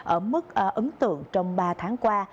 ở mức ấm tượng trong ba tháng qua